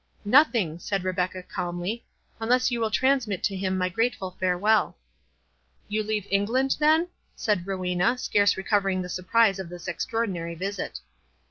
"Nothing," said Rebecca, calmly, "unless you will transmit to him my grateful farewell." "You leave England then?" said Rowena, scarce recovering the surprise of this extraordinary visit.